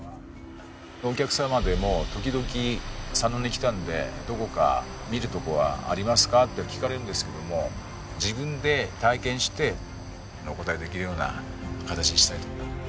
お客様でも時々「佐野に来たのでどこか見るとこはありますか？」って聞かれるんですけども自分で体験してお答えできるような形にしたいと。